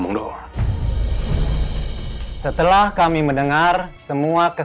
yang lebih lebih baik